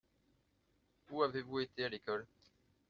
Où avez-vous été à l’école ?